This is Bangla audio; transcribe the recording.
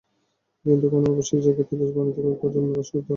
কিন্তু কোনো আবাসিক জায়গাকে দেশ বানাতে কয়েক প্রজন্মের বসবাসের দরকার হয়।